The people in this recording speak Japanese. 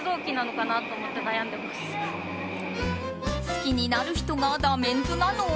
好きになる人がダメンズなの？